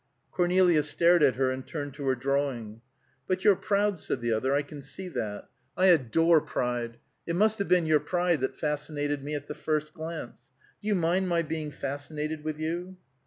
Cornelia stared at her and turned to her drawing. "But you're proud," said the other, "I can see that. I adore pride. It must have been your pride that fascinated me at the first glance. Do you mind my being fascinated with you?"